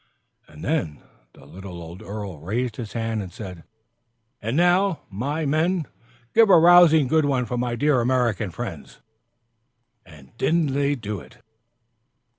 And then the little old earl raised his hand and said, "And now, my men, give a rousing good one for my dear American friends!" And didn't they do it!